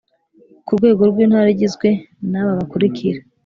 ku rwego rw Intara igizwe n aba bakurikira